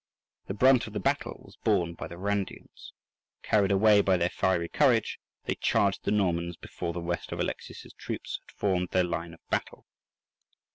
The brunt of the battle was borne by the Varangians: carried away by their fiery courage, they charged the Normans before the rest of Alexius's troops had formed their line of battle.